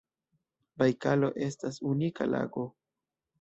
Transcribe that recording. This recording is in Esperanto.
Bajkalo estas unika lago.